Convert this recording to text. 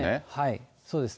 そうです。